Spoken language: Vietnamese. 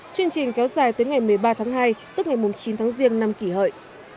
chương trình kéo dài tới ngày một mươi ba tháng hai tức ngày chín tháng riêng năm kỷ hợi